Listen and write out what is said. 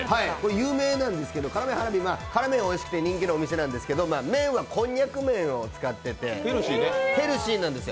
有名なんですけど、辛麺がおいしくて人気のお店なんですけど、麺はこんにゃく麺を使っててヘルシーなんですよ。